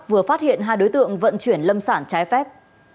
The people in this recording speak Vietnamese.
vừa phát hiện hai đối tượng vận chuyển lâm sản trái phép